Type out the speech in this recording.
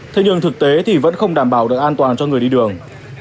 thế nhưng thực tế thì vẫn không đảm bảo được an toàn cho người đi đường